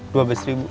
dua belas ribu